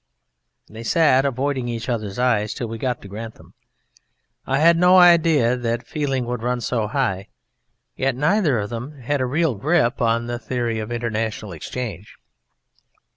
They sat avoiding each other's eyes till we got to Grantham. I had no idea that feeling could run so high, yet neither of them had a real grip on the Theory of International Exchange.